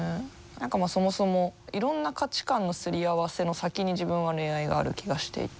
何かそもそもいろんな価値観のすり合わせの先に自分は恋愛がある気がしていて。